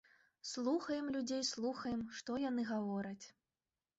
Слухаем людзей, слухаем, што яны гавораць.